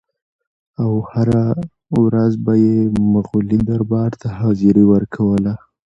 او هره ورځ به یې مغولي دربار ته حاضري ورکوله.